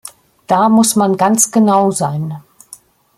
Da muss man ganz genau sein.